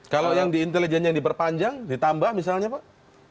kalau yang di intelijen yang diperpanjang ditambah misalnya pak